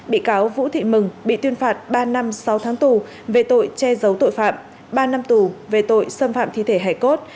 bị cáo vũ thị mừng bị tuyên phạt ba năm sáu tháng tù về tội che giấu tội phạm ba năm tù về tội xâm phạm thi thể hải cốt